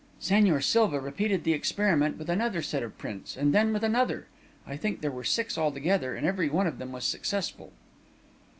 "Señor Silva repeated the experiment with another set of prints and then with another. I think there were six altogether, and every one of them was successful."